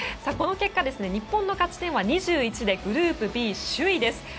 この結果日本の勝ち点は２１でグループＢ首位です。